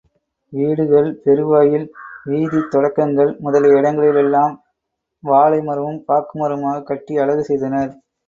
வீடுகள், பெரு வாயில், வீதித் தொடக்கங்கள், முதலிய இடங்களிலெல்லாம் வாழை மரமும் பாக்கு மரமுமாகக் கட்டி அழகு செய்தனர்.